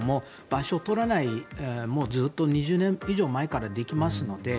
場所を取らないずっと２０年以上前からできますので。